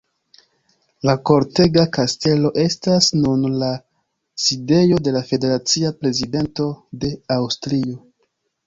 La Kortega Kastelo estas nun la sidejo de la federacia prezidento de Aŭstrio.